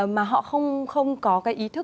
mà họ không có cái ý thức